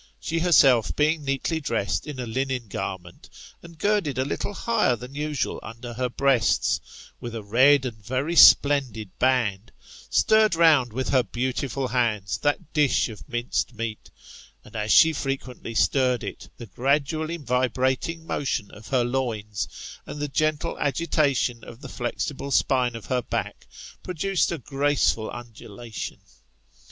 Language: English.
She herself being neatly dressed in a linen garment, and girded a little higher than usual under her breasts, with a red and very splendid band, stirred round with her beautiful hands that dish of minced meat ; and as she frequently stirred it, the gradually vibrating motion of her loins, and the gentle agitation of the flexible spine of her back, produced a graceful undulation.